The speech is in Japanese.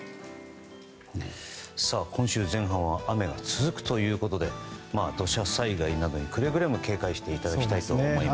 今週前半は雨が続くということで土砂災害などにくれぐれも警戒していただきたいです。